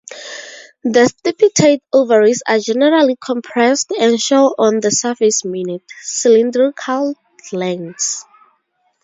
The stipitate ovaries are generally compressed and show on the surface minute, cylindrical glands.